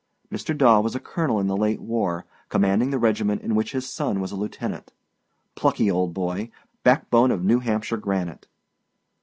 Mr. Daw was a colonel in the late war, commanding the regiment in which his son was a lieutenant. Plucky old boy, backbone of New Hampshire granite.